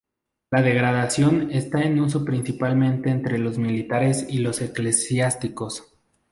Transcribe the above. La degradación está en uso principalmente entre los militares y los eclesiásticos.